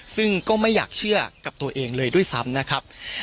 ซึ่งก็ไม่อยากเชื่อกับตัวเองเลยด้วยซ้ำนะครับ